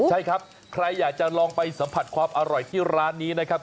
ใช่ครับใครอยากจะลองไปสัมผัสความอร่อยที่ร้านนี้นะครับ